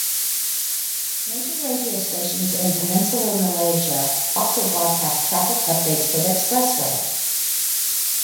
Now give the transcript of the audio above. Major radio stations in Peninsular Malaysia also broadcast traffic updates for the expressway.